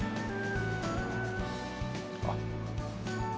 あっ！